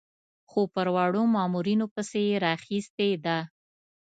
خو پر وړو مامورینو پسې یې راخیستې ده.